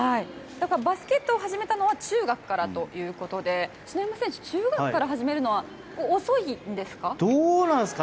バスケットを始めたのは中学からということで篠山選手、中学から始めるのは遅いんですか。